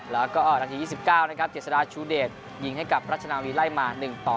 แล้วก็นาที๒๙นะครับเจษฎาชูเดชยิงให้กับรัชนาวีไล่มา๑ต่อ